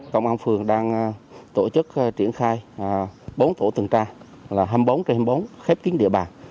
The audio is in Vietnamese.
công an phường đang tổ chức triển khai bốn tổ tuần tra là hai mươi bốn trên hai mươi bốn khép kín địa bàn